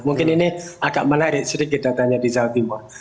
mungkin ini agak menarik sedikit datanya di jawa timur